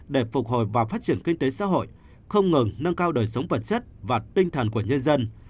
để phục hồi và phát triển kinh tế xã hội không ngừng nâng cao đời sống vật chất và tinh thần của nhân dân